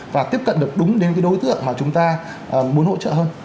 và tiếp cận được đúng đến cái đối tượng mà chúng ta muốn hỗ trợ hơn